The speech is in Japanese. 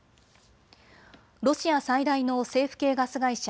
ロシア最大の政府系ガス会社